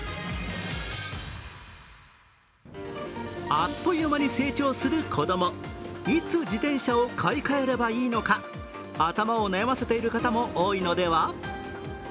あっという間に成長する子供、いつ自転車を買い替えればいいのか頭を悩ませている方も多いのでは？